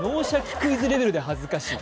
クイズ」レベルで恥ずかしい。